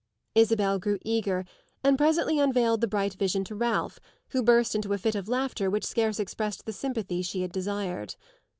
Isabel grew eager and presently unveiled the bright vision to Ralph, who burst into a fit of laughter which scarce expressed the sympathy she had desired.